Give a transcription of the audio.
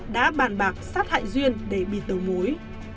đã bàn bạc sát hại duyên để bị tẩu mối